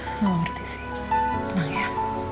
tuhan yang memberi sana